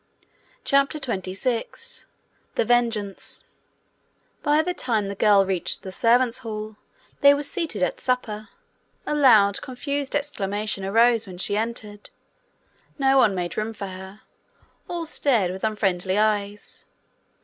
CHAPTER 26 The Vengeance By the time the girl reached the servants' hall they were seated at supper. A loud, confused exclamation arose when she entered. No one made room for her; all stared with unfriendly eyes.